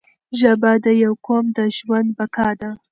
ژبه د یو قوم د ژوند بقا ده